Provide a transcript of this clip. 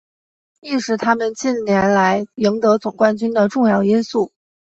亦是他们近年来赢得总冠军的重要因素。